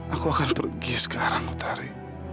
aku akan pergi sekarang tari